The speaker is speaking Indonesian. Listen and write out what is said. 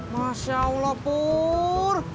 masya allah pur